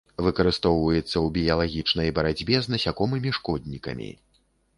Выкарыстоўваецца ў біялагічнай барацьбе з насякомымі-шкоднікамі.